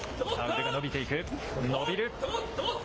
腕が伸びていく、伸びる。